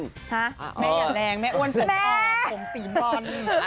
แม่อย่าแรงแม่อ้วนอยู่ของสีหมอน